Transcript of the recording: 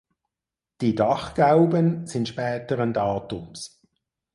Die Dachgauben sind späteren Datums.